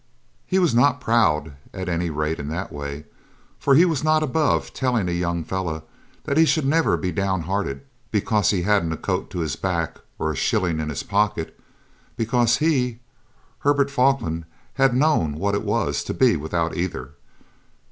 He was not proud, at any rate in that way, for he was not above telling a young fellow that he should never be downhearted because he hadn't a coat to his back or a shilling in his pocket, because he, Herbert Falkland, had known what it was to be without either.